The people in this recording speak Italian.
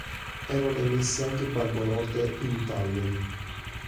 Erano emesse anche banconote in talleri.